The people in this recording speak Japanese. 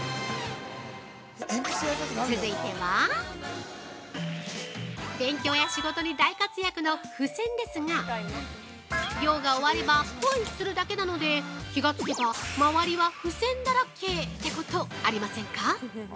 続いては勉強や仕事に大活躍の付箋ですが用が終わればポイするだけなので気がつけば、まわりは付箋だらけってこと、ありませんか？